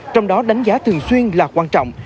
trong đó đánh giá thường xuyên là quan trọng